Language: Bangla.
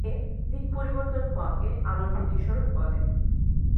এ দিক পরিবর্তন হওয়াকে আলোর প্রতিসরণ বলে।